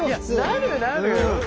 なるなる！